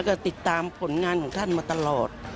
ก็ติดตามผลงานของท่านมาตลอด